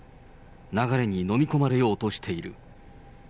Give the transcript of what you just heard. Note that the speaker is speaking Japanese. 流れに飲み込まれようとしている。